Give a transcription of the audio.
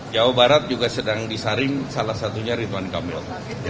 jawa barat juga sedang disaring salah satunya ridwan kamil